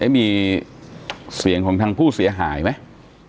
มีเสียงของทางผู้เสียหายไหม